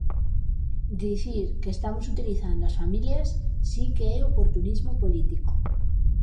Dicir que estamos utilizando as familias si que é oportunismo político.